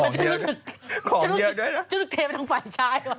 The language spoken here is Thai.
จะลึกเทไปทางฝ่ายชายวะ